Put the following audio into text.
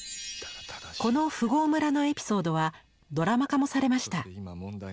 この「富豪村」のエピソードはドラマ化もされました。